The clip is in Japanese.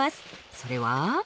それは。